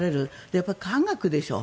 やっぱり科学でしょ。